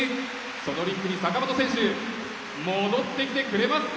そのリンクに坂本選手戻ってきてくれますか！